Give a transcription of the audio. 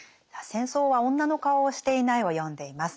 「戦争は女の顔をしていない」を読んでいます。